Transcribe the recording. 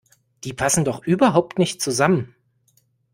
Die passen doch überhaupt nicht zusammen!